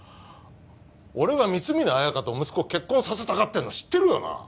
俺が光峯綾香と息子を結婚させたがってるの知ってるよな！？